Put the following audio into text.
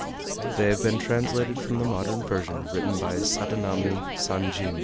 They have been translated from the modern version written by Sadanami Sanjin.